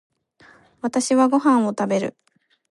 私はご飯を食べる。